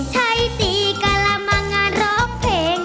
ใช้ตีกะละมังงานร้องเพลง